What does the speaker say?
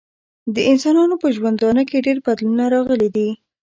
د انسانانو په ژوندانه کې ډیر بدلونونه راغلي دي.